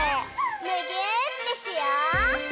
むぎゅーってしよう！